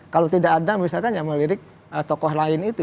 kalau tidak ada misalkan yang melirik tokoh lain itu